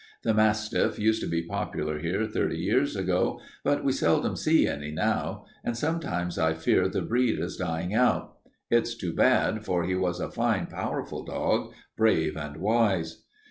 The mastiff used to be popular here thirty years ago, but we seldom see any now, and sometimes I fear the breed is dying out. It's too bad, for he was a fine, powerful dog, brave and wise.